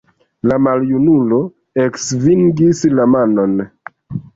La maljunulo eksvingis la manon.